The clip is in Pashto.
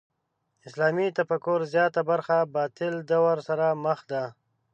اسلامي تفکر زیاته برخه باطل دور سره مخ ده.